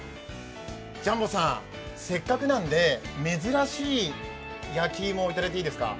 ジャンボさん、せっかくなので、珍しい焼き芋をいただいていいですか。